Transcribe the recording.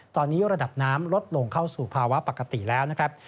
ตอนนี้ระดับน้ำลดลงเข้าสู่ภาวะปกติแล้วนะครับ